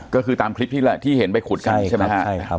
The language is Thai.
ก็คือตามคลิปที่แหละที่เห็นไปขุดกันใช่ไหมฮะใช่ครับใช่ครับ